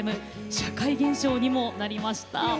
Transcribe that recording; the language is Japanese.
社会現象にもなりました。